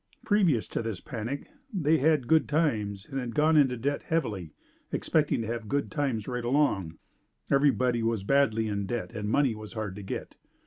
Previous to this panic they had good times and had gone into debt heavily, expecting to have good times right along. Everyone was badly in debt and money was hard to get.